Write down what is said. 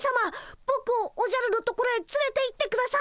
ぼくをおじゃるのところへつれていってください。